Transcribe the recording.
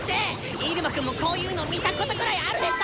イルマくんもこういうの見たことくらいあるでしょ！